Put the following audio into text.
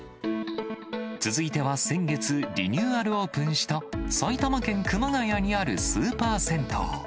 続いては、先月、リニューアルオープンした埼玉県熊谷にあるスーパー銭湯。